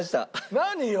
何よ？